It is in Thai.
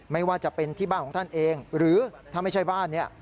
ไม่ว่าจะเป็นที่บ้านของท่านเองหรือถ้าไม่ใช่บ้านเนี่ย